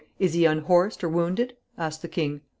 "Is he unhorsed or wounded?" asked the king.